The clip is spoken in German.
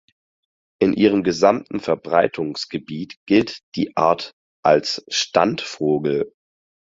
In ihrem gesamten Verbreitungsgebiet gilt die Art als Standvogel.